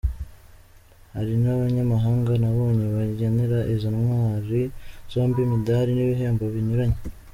Hari n’abanyamahanga nabonye bagenera izo ntwari zombi imidari n’ibihembo binyuranye.